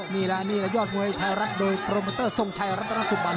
อันนี้แล้วยอดงวยทายรัฐโดยโปรเมอเตอร์ทรงไชรัฐทรัสซุบัน